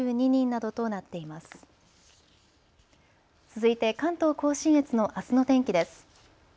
続いて関東甲信越のあすの天気です。